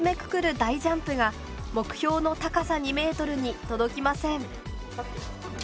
大ジャンプが目標の高さ２ｍに届きません。